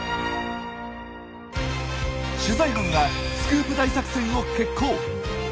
取材班はスクープ大作戦を決行。